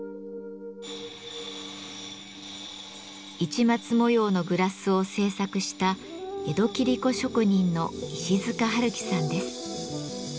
市松模様のグラスを制作した江戸切子職人の石塚春樹さんです。